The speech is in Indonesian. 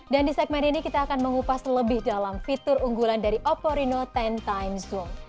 dan di segmen ini kita akan mengupas lebih dalam fitur unggulan dari oppo reno sepuluh x zoom